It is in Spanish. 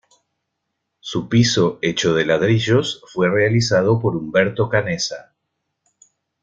Su piso, hecho de ladrillos, fue realizado por Humberto Canessa.